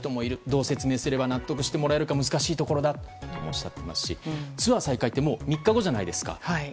どう説明すれば納得してもらえるか難しいところだとおっしゃっていますしツアー再開って３日後じゃないですか。